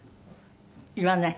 言わない？